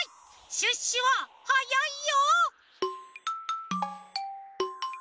シュッシュははやいよ！